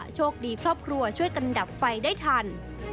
โชคดีครอบครัวช่วยกันดับไฟได้ทัน